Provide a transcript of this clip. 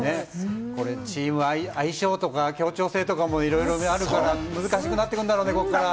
チームは相性とか、協調性とかもいろいろあるから、難しくなってくるんだろうね、ここから。